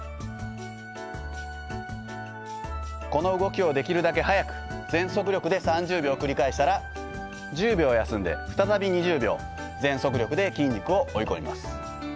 この動きをできるだけ速く全速力で３０秒繰り返したら１０秒休んで再び２０秒全速力で筋肉を追い込みます。